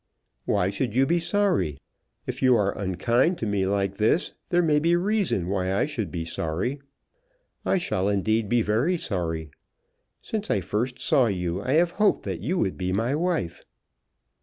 "Why should you be sorry? If you are unkind to me like this, there may be reason why I should be sorry. I shall, indeed, be very sorry. Since I first saw you, I have hoped that you would be my wife."